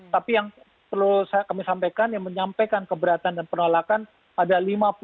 tapi yang perlu kami sampaikan yang menyampaikan keberatan dan penolakan ada lima puluh